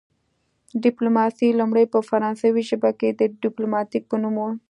ډیپلوماسي لومړی په فرانسوي ژبه کې د ډیپلوماتیک په نوم وه